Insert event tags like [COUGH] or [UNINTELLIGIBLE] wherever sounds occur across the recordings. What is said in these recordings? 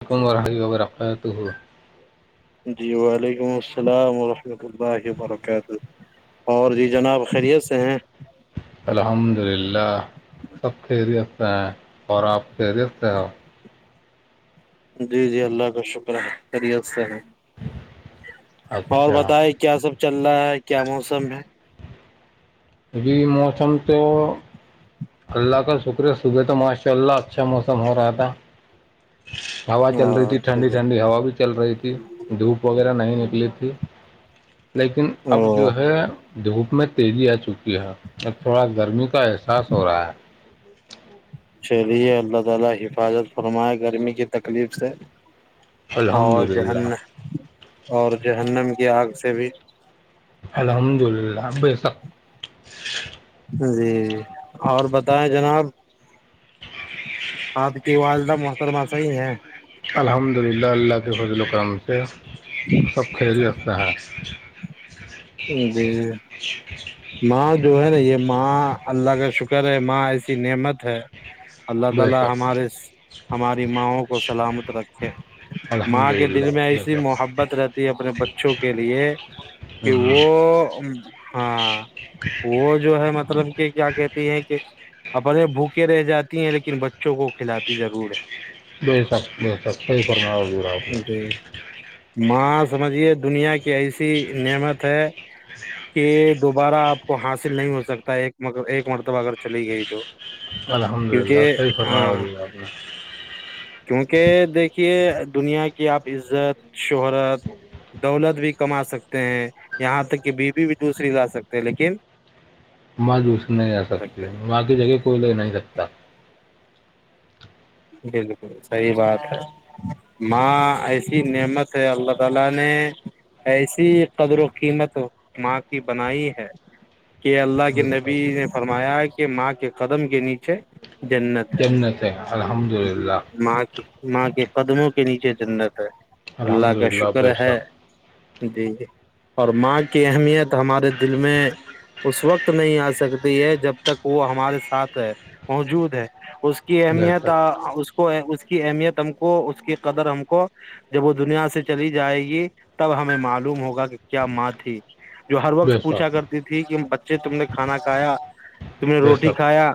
حکم اور رہحائی اگرقا تو ہو [UNINTELLIGIBLE] جی وعلیکم السلام ورحمۃ اللہ وبرکاتہ اور جی جناب خیریت سے ہیں الحمد للہ سب خیریت سے ہیں اور آپ فہرست ہیں [UNINTELLIGIBLE] جی جی اللہ کا شکر ہے خیریت سے ہے اور اچھا بتائے کیا سب چل رہا ہے کیا موسم ہے جی موسم تو اللہ کا شکر صبح تو ماشاء اللہ اچھا موسم ہو رہا تھا ہوا چل رہی تھی اچھا ٹھنڈی ٹھنڈی ہوا بھی چل رہی تھی دھوپ وغیرہ نہیں ن لق [UNINTELLIGIBLE] لیکن اب جو او ہے میں تیزی آ چکی ہے اب تھوڑا گرمی کا احساس ہو رہا ہے چلیے اللہ تعالی حفاظت فرمائے گرمی کی تکلیف سے الحمد اور للہ جہن اور جو ہنم کی آگ سے بھی الحمد للہ بے سک ا [UNINTELLIGIBLE] جی ج اور بتائیں جناب [UNINTELLIGIBLE] آپ کی والدہ متر ماسا ہی ہے الحمد للہ اللہ کے فضل و کرم سے سب خیری رفتا ہے جی م جو ہے نا یہ ماں اللہ کا شکر ہے ماں ایسی نعمت ہے [INAUDIBLE] بے شک الحمد للہ بے شک کہ ہوں، وہ ہاں وہ جو ہے مطلب کہ کیا کہتی ہیں کہ بلے بھوکے رہ جات ہیں لیکن بچے بچوں کو کھلاتی ضرور ہے بے شک بے شک صحیح فرمایا حضور آپ نے ماس سمجھیے دنیا کی ایسی نعمت کہ دوبارہ آپ کو حاصل نہیں ہوتا سکتا ہے ایک ایک مرتب اگر چلی گئی تو الحمد للہ کیونکہ سحیح فرما ہاں ہوی آپ نے کیونکہ دیکھیے دنیا کی آپ عزت شہرات دولت بھی کما سکتے ہیں یہاں تک کہ بیوی بھی دوسری لا سکتے ہیں لیکن ماں دوس نہیں جا سکتی سکتے ہیں۔ ماں کی جگہ کوئی لے نہیں سکتا [INAUDIBLE] کہ اللہ کے بے نبی شک نے فرمایا ماں کے قدم کے نیچے جمنت ہے الحمد جی جی للہ ماں کی ماں کے قدموں کے نیچے چدر اللہ الحمد کا للہ شکر بے ہے شک جی جی اور ماں کی اہمیت ہمارے دل میں اس وقت نہیں آ سکتی ہے جب تک وہ ہمارے ساتھ ہے موجود ہے اس کی بے اہمیت شک اس کو اس کی اہمیت ہم کو اس کی قدر ہم کو جب وہ دنیا سے چلی جائے گی تب ہمیں معلوم ہوگا کہ کیا ماں تھی جو ہر وقت بے پوچھا شک کرتی تھی کہ بچے تم نے کھانا کھایا تم نے بے روٹی شک کھایا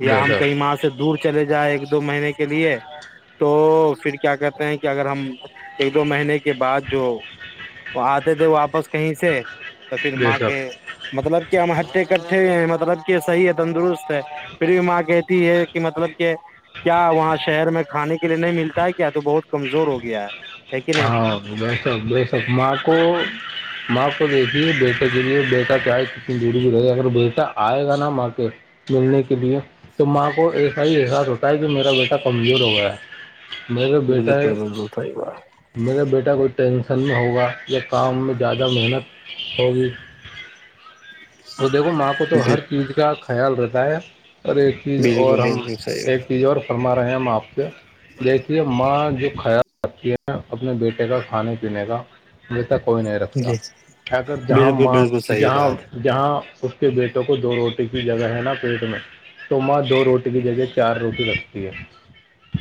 یا بے ہم کہیں شک ماں سے دور چلے جائے گ دو مہینے کے لیے تو پھر کیا کرتے ہیں کہ اگر ہم ایک دو مہینے کے بعد جو آتے تھے واپس کہیں سے تو پھر بے ماں شک کے مطلب کہ ہم ہٹھتے کٹھے ہو ہیں مطلب کہ صحیح ہے تندرست ہے پھر بھی ماں کہتی ہے کہ مطلب کہ کیا وہاں شہر میں کھانے کے لیے نہیں ملتا ہے کیا تو بہت کمزور ہو گیا ہے کہ نہیں ہاں بے شک بے شک ماں کو ماں کو دیکھیے بیٹا کے لیے بیٹا چاہے کتنی دوری بھی رہے گ اگر بیٹا آئے گا نا ماں کے ملنے کے لیے تو ماں کو ایسا ہی احساس ہوتا ہے کہ میرا بیٹا کمزور ہو گیا ہے میر جوا بیٹا ہے بیٹا کوئی ٹینسن میں ہوگا یا کام میں زیادہ محنت ہوگی وہ دیکھو ماں کو تو بالکل ہر چیز کا خیال رتاا ہے سر ایک چیز اور ہم صحیح ایک چیز اور فرما رہے ہیں ہم آپ سے دیکھیے ماں جو کھیا جاتی ہے اپنے بیٹے کا کھانے پینے کا کوئی نہیں رکھتا جی اگر جہاں بالکل ماں صحیح جہاں بات جہاں اس کے بیٹوں کو دوڑ کی جگہ ہے نا پیٹ میں تو ماں دو روٹی کی جگہ چار روٹی رکھتی ہے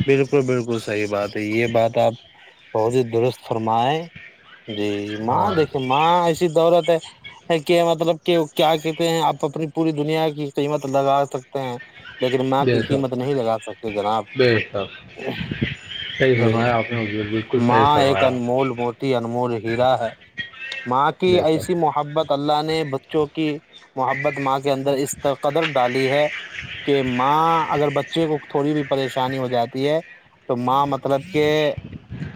بالکل بالکل صحیح بات ہے یہ بات آپ بہود درست فرم ہے جی ماں ہاں دیکھیے ماں ایسی دولت ہے کہ مطلب کہ کیا کہتے ہیں آپ اپنی پوری دنیا کی قیمت لگا سکتے ہیں لیکن ماں کی بے قیمت شک نہیں لگا سکتے جناب بے شک صحیح جی فرمایا آپ نے حضور بالکل صحیح ماں ایک فرمایا انمول موٹی انمول ہیرا ہے ماں کی بے ایسی شک محبت اللہ نے بچوں کی محبت ماں کے اندر اس قدر ڈالی ہے کہ ماں اگر بچے کو تھوڑی بھی پردیش پریشانی ہو جاتی ہے تو ماں مطلب کہ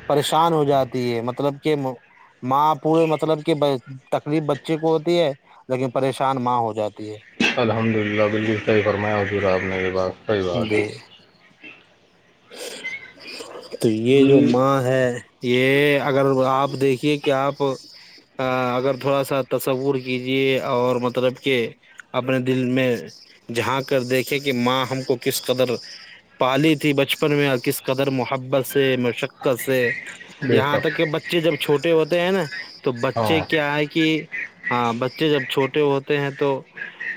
پریشان ہو جاتی مطلب کہ ماں پورے مطلب کہ تکلیف بچے کو ہوتی ہے لیکن پریشان ماں ہو جاتی ہے الحمد للہ بالکل صحیح فرمایا ہو چ رہا آپ نے یہ بات صحیح بات جی ہے [INAUDIBLE] تو یہ جو جی ماں ہے یہ اگر آپ دیکھیے کہ آپ اگر تھوڑا سا تصور کیجیے اور مطلب کہ اپنے دل میں جھان کر دیکھیں کہ ماں ہم کو کس قدر پالی تھی بچپن میں اور کس قدر محبت سے مشقت سے بے یہاں شک تک کہ بچے جب چھوٹے ہوتے ہیں نا تو بچے ہاں کیا ہے کہ ہاں بچے جب چھوٹے ہوتے ہیں تو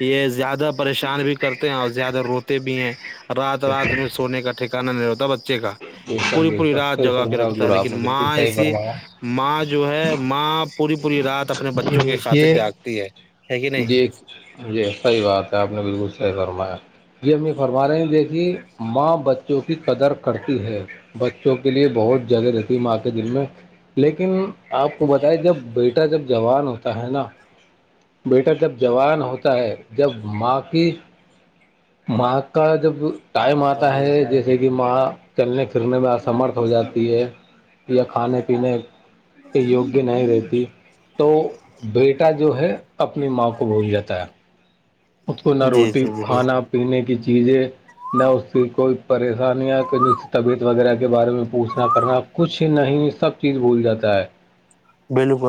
یہ زیادہ پریشان بھی کرتے ہیں اور زیادہ روتے بھی ہیں رات بے شک رات میں سونے کا نہیں ہوتا بچے کا بے شک پوری بے پوری شک، رات صحیح جگا کے فرمایا رکھتا ہے حضور آپ لیکن نے بالکل ماں صحیح ایسی فرمایا ماں جو ہے ماں پوری پوری رات اپنے جی بچوں کی خاطر دیکھیے جاگتی ہے ہے کہ نہیں جی جی صحی بات ہے آپ نے بالکل صحیح فرمایا جی ہم یہ فرما رہے ہیں دیکھی ماں بچوں کی قدر کرتی ہے بچوں کے لیے بہت جگہ رہتی ہے ماں کے دل میں لیکن آپ کو بتائی جب بیٹا جب جوان ہوتا ہے نا بیٹا جب جوان ہوتا ہے جب ماں کی ماں کا جب ٹائم آتا ہے جیسے کہ ماں چلنے سے گرنے میں امرتھ ہو جاتی ہے یا کھانے پینے کے یوگیہ نہیں رہتی تو بیٹا جو ہے اپنی ماں کو بھول جاتا ہے خ کو نہ جی روٹی جی جی کھانا پینے کی چیزیں نہ اس کی کوئی پریشانیاں کہ طبیعت وغیرہ کے بارے میں پوچھنا کرنا کچھ نہیں سب چیز بھول جاتا ہے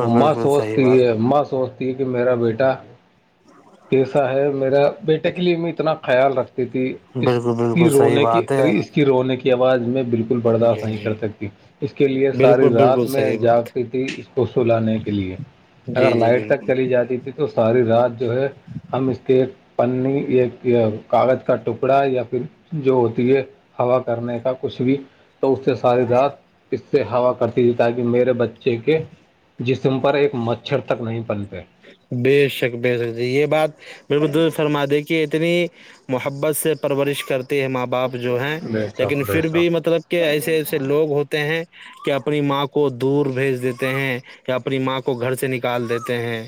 ا ماں بالکل صحیح سوچتی ہے بات ماں سوچ کہ میرا بیٹا کیس ہے میرا بیٹے کے لیے میں اتنا خیال رکھتا تھی اس بالکل کی بالکل صحیح رونے کی بات ا ہے اس کی رونے کی آواز میں بالکل برداشت جی نہیں جی کر سکتی اس کے لیے ساری بالکل رات بالکل میں صحیح بات جاگتی تھی اس کو سلانے کے لیے اگر جی جی لائٹ تک بالکل چلی جاتی تھی تو ساری رات جو ہے کہ پنی ایک کاغذ کا ٹکڑا یا پھر جو ہوتی ہے ہوا کرنے کا کچھ بھی تو اس سے ساری رات سے ہوا کرتی تھی تاکہ میرے بچے کے جسم پر ایک مچھر تک نہیں پنتے بے شک بیے سک ج یہ بات بالک د فرما دے کہ اتنی محبت سے پرورش کرتے ماں باپ جو ہیں بے لیکن شک بے پھر شک بھی مطلب کہ ایسے ایسے لوگ ہوتے ہیں کہ اپنی ماں کو کو دور بھیج دیتے ہیں کہ اپنی ماں کو گھر سے نکال دیتے ہیں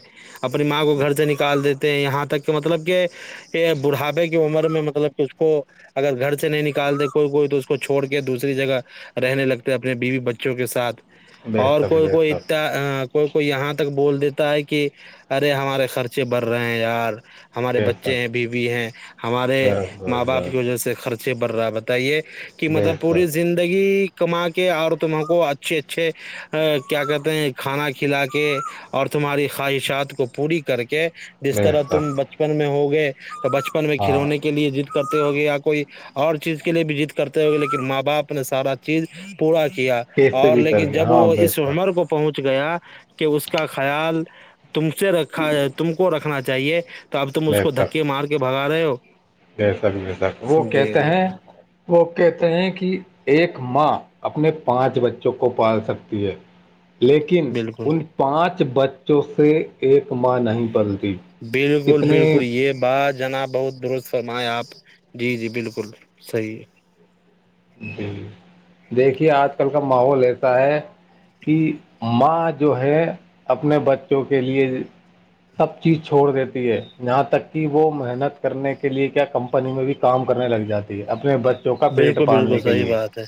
اپنی ماں کو گھر سے نکال دیتے ہیں یہاں تک کہ مطلب کہ یہ بڑھاپے کی عمر میں مطلب کہ اس کو اگر گھر سے نہیں نکالتے کوئی کوئی تو اس کو چھوڑ کے دوسری جگہ رہنے لگتے اپنے بیوی بچوں کے ساتھ بے اور شک کوئی بے کوئی شک انا کوئی کوئی یہاں تک بول دیتا ہے کہ ارے ہمارے خرچے بڑھ رہے ہیں یار ہمارے بے بچے شک ہیں بیوی ہیں ہمارے ماں باپ کی وجہ سے خرچ سے برا بتائیے کہ بے مطلب پوری شک زندگی کما کے اور تمہ کو اچھے اچھے کیا کہتے ہیں کھانا کھلا کے اور تمہاری خواہشات کو پوری کر کے جس بے طرح شک تم بچپن میں ہوگا ا [INAUDIBLE] تو بچپن میں کھلونے کے لیے ج کرتے ہوگے یا کوئی اور چیز کے لیے بھی جیت کرتے ہوگے لیکن ماں باپ نے سارا چیز پورا کیا کیسے اور بھی کر لیکن کے جب ہاں وہ بے اس عمر شک کو پہنچ گیا کہ اس کا خیال ہ تم سے رکھا ہے تم کو رکھنا چ چاہیے اب تم اس کو دھکے مار کے بگا رہ ہو جی سک و سک وہ جی کہتے جی ہیں وہ کہتے ہیں کہ ایک ماں اپنے پانچ بچوں کو پال سکتی ہے لیکن بالکل ان پانچ بچوں سے ایک ماں نہیں بلتی بالکل بالکل یہ بات جنا بہت درست آپ جی جی بالکل صحیح ہے جی دیکھیے آج کل کا ماحول ایسا ہے کہ ماں جو ہے اپنے بچوں کے لیے سب چیز چھوڑ دیتی ہے جاں تک کہ وہ محنت کرنے کے لیے کیا کمپنی میں بھی کام کرنے لگ جاتی ہے اپنے ب چوکا پیٹ بالکل پالنے بالکل کے صحیح لیے بات ہے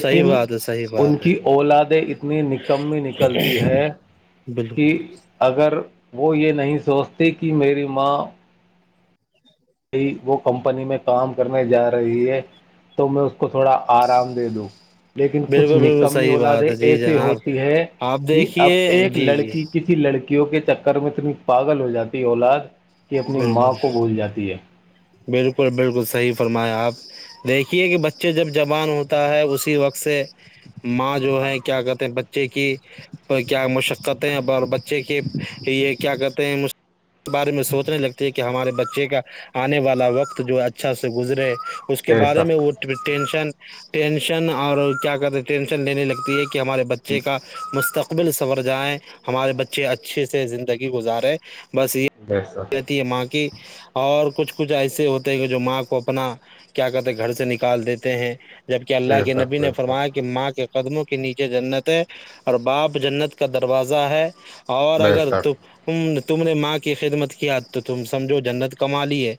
صحیح بات ہے صحیح ان بات کی ہے اولادیں اتنی نکممی نکلتی ہے کہ بالکل اگر وہ یہ نہیں سوچتی کہ میری ماں بھئی وہ کمپنی میں کام کرنے جا رہی ہے تو میں اس کو تھوڑا آرام دے دوں لیکن کچھ بالکل بالکل نکمی صحیح اولادیں بات ہے جی ایسی جناب ہوتی ہے آپ کہ اب دیکھیے ایک جی جی لڑکی کسی لڑکی وں کے چکر میں اتنی پاگل ہو جاتی ہے اولاد کہ اپنی ماں بالکل کو بھول جاتی ہے بالکل بالکل صحیح فرما آپ دیکھیے کہ بچے جب جوان ہوتا ہے اسی وقت سے ماں جو ہے کیا کہتے ہیں بچے کی کیا مشقتیں بچے کے یہ کیا کہتے ہیں بارے میں سوچنے لگتی ہے کہ ہمارے بچے کا آنے والا وقت جو اچھا سے گزرے اس کے بے بارے میں شک وہ ٹینشن ٹینشن اور کیا کہتے ہیں ٹینشن لینے لگتی ہے کہ ہمارے بچے کا مستقل قبل سنور جائیں ہمارے بچے اچھے سے زندگی گزارے بس یہ بے شک جتی یہ م کی اور کچھ کچھ ایسے ہوتے ہیں کہ جو ماں کو اپنا کیا کہتے ہیں گھر سے نکال دیتے ہیں جبک اللہ بے کے نبی شک نے بے شک فرمایا کہ ماں کے قدموں کے نیچے جنت ہے اور باپ جنت کا دروازہ ہے بے اورارگر تو شک تم نے ماں کی خدمت کی کیاد تو تم سمجھو جنت کما لی ہے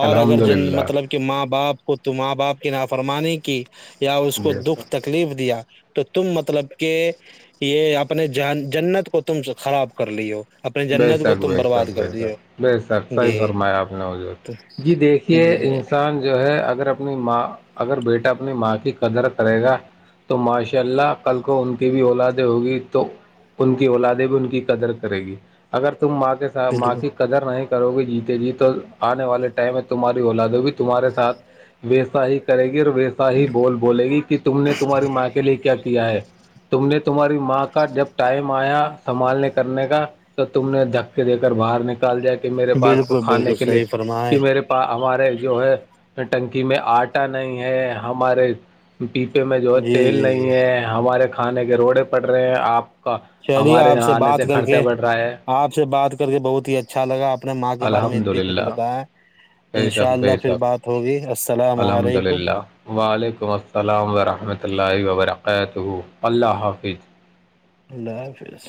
اور اگر الحمد جن للہ مطلب کہ ماں باپ ق تو ماں باپ کی نافرمانی کی یا اس کو بے دکھ شک تکلیف دیا تو تم مطلب کہ یہ اپنے ج جنت کو تم سے خراب کر لی ہو اپنی بے جنت کو شک تم بے برباد شک بے کر دی ہو شک بے سر صحیح جی فرمایا آپ نے تو جی دیکھیے جی انسان جو ہے اگر اپنی ماں اگر بیٹا اپنی ماں کی قدر کرے گا تو ماشاء اللہ کل کو ان کی بھی اولادیں ہوگی تو ان کی اولادیں بھی ان کی قدر کرے گی اگر تم ماں کےاتھ بالکل ماں کی قدر نہیں کرو گی جیتے جی تو آنے والے ٹائم میں تمہاری اولادو بھی تمہارے سات ویسا ہی کرے گی ویسا ہی بول بولے گی کہ تم نے تمہاری ماں کے لیے کیا کیا کیا ہے تم نے تمہاری ماں کا جب ٹائم آیا سنبھالنے کرنے کا تو تم نے دھک دے کر باہر نک جائے کہ میرے پاس بالکل کھانے بالکل کے لیے صحیح فرمائے کہ میرے پاس ہمارے جو ہے ٹنکی میں آٹا نہیں ہے ہمارے پیپے میں جو ہے جی تیل جی جی نہیں ہے ہمارے کھانے کے روڈے پڑ رہے ہیں آپ چلیے ہمارے آپ یہاں سے آنے بات تھ کر خرچہ کے بڑھ رہا ہے آپ سے بات کر کے بہت ہی اچھا لگا آپ نے ماں کے بارے میں الحمد اتنی کچھ للہ بتایا بے انشاء شک بے اللہ پھر شک بات ہوگی السلام الحمد علیکم للہ وعلیکم قید ہو اللہ حافظ اللہ حافظ